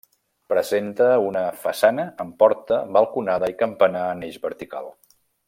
Presenta una façana, amb porta, balconada i campanar en eix vertical.